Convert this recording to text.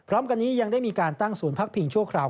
พร้อมกันนี้ยังได้มีการตั้งศูนย์พักพิงชั่วคราว